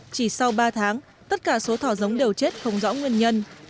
chỉ sau ba tháng tất cả số thỏ giống đều chết không rõ nguyên nhân